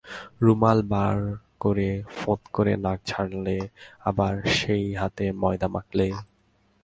রুমাল বার করে ফোঁৎ করে নাক ঝাড়লে, আবার সেই হাতে ময়দা মাখলে।